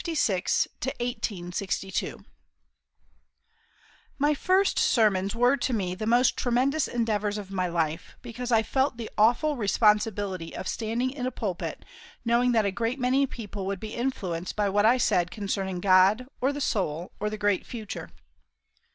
THE THIRD MILESTONE 1856 1862 My first sermons were to me the most tremendous endeavours of my life, because I felt the awful responsibility of standing in a pulpit, knowing that a great many people would be influenced by what I said concerning God, or the soul, or the great future.